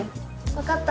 わかった。